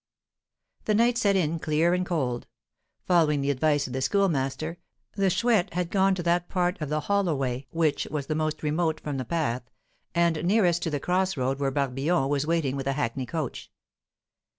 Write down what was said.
The night set in clear and cold. Following the advice of the Schoolmaster, the Chouette had gone to that part of the hollow way which was the most remote from the path, and nearest to the cross road where Barbillon was waiting with the hackney coach.